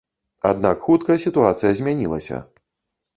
Аднак хутка сітуацыя змянілася.